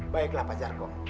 baiklah pak charco